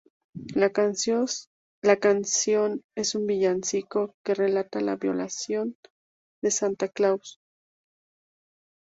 La canción es un villancico que relata la violación de Santa Claus.